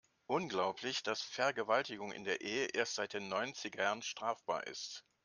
Unglaublich, dass Vergewaltigung in der Ehe erst seit den Neunzigern strafbar ist.